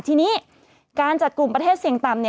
ทีนี้การจัดกลุ่มประเทศเสี่ยงต่ำ